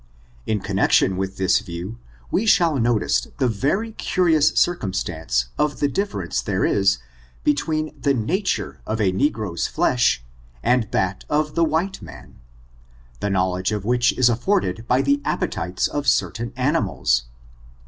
In connection with this view, we shall notice the very curious circumstance of the difference there is between the nature of a negro's fleshy and that of the white man, the knowledge of which is afforded by the appetites of certain animals.